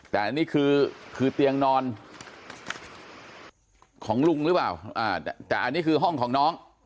แต่อันนี้คือเตียงนอนของลุงหรือเปล่าแต่อันนี้คือห้องของน้อง